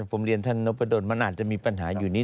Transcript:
ผมเรียนท่านนพดลมันอาจจะมีปัญหาอยู่นิด